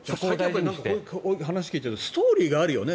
話聞いてるとストーリーがあるよね。